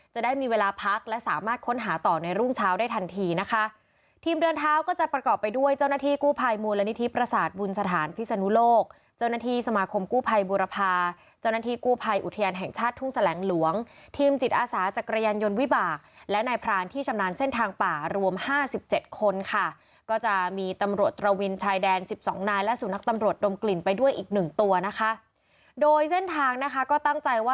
จะได้มีเวลาพักและสามารถค้นหาต่อในรุ่งเช้าได้ทันทีนะคะทีมเดือนเท้าก็จะประกอบไปด้วยเจ้าหน้าที่กู้ภัยมูลนิธิประสาทบุญสถานพิษฐานภิษฐานภิษฐานภิษฐานภิษฐานภิษฐานภิษฐานภิษฐานภิษฐานภิษฐานภิษฐานภิษฐานภิษฐานภิษฐานภิษฐาน